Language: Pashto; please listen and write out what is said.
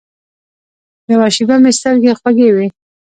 یوه شېبه مې سترګې خوږې وې.